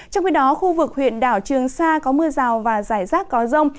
trong khi đó khu vực huyện đảo trường sa có mưa rào và rải rác có rông